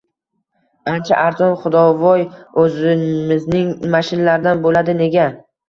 ancha arzon, "xodovoy", o‘zimizning mashinalardan bo‘ladi. Nega?